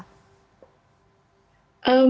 mereka mengatakan bahwa mereka tidak bisa berpuasa